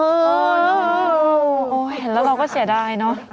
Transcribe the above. โอ้โหเห็นแล้วเราก็เสียดายเนอะ